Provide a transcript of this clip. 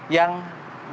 yang menurut kesehatan